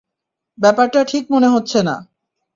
ব্যাপারটা ঠিক মনে হচ্ছে না।